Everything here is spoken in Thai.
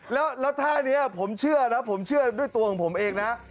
แล้วท่านี้ผมเชื่อนะผมเชื่อด้วยตัวของผมเองนะ